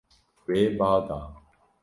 Wê ba da.